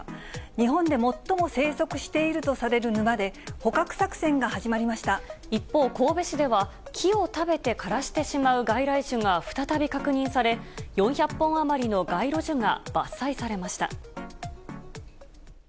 日本で最も生息しているとされる一方、神戸市では、木を食べて枯らしてしまう外来種が再び確認され、４００本余りの街路樹が伐採されました。